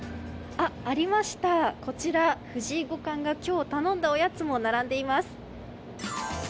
こちら、藤井五冠が今日頼んだおやつも並んでいます。